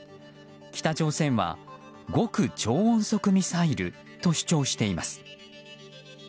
北朝鮮は極超音速ミサイルと主張しています。